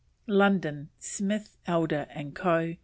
LONDON: SMITH, ELDER AND CO.